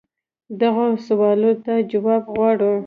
دغو سوالونو ته جواب غواړي.